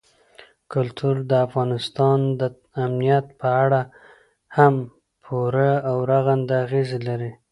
کلتور د افغانستان د امنیت په اړه هم پوره او رغنده اغېز لري.